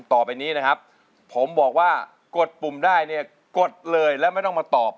ต่อไปนี้นะครับผมบอกว่ากดปุ่มได้เนี่ยกดเลยแล้วไม่ต้องมาตอบ